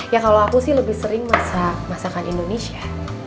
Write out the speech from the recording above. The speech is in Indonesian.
ya kalo aku sih lebih sering masak masakan indonesia